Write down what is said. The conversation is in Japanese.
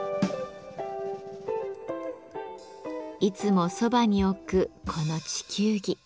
いつもそばに置くこの地球儀。